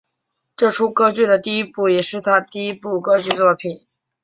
这出歌剧的第一部也是他第一部歌剧作品。